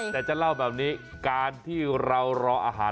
แต่จะเล่าแบบนี้การที่เรารออาหาร